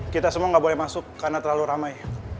kita semua nggak boleh masuk karena terlalu ramai